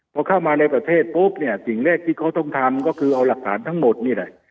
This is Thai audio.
พอเข้ามาในประเทศปุ๊บเนี่ยสิ่งแรกที่เขาต้องทำก็คือเอาหลักฐานทั้งหมดนี่แหละ